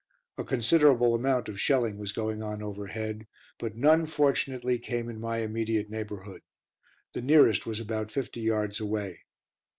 A considerable amount of shelling was going on overhead, but none, fortunately, came in my immediate neighbourhood. The nearest was about fifty yards away.